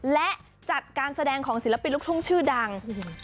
และจัดการแสดงของศิลปินลูกทุ่งชื่อดัง